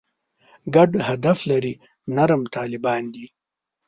ګډ هدف لري «نرم طالبان» دي.